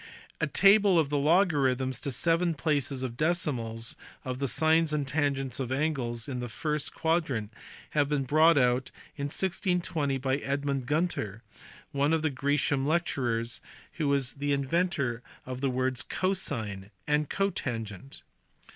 A table of the logarithms, to seven places of decimals, of the sines and tangents of angles in the first quadrant had been brought out in 1620 by Edmund Gunter, one of the Gresham lecturers, who was the inventor of the words cosine and cotangent.